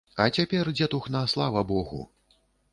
А цяпер, дзетухна, слава богу.